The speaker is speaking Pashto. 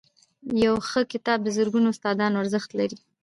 • یو ښه کتاب د زرګونو استادانو ارزښت لري.